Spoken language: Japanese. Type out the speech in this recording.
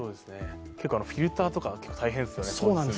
結構、フィルターとか大変そうですね。